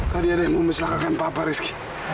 tadi ada yang mau mencelakakan papa rizky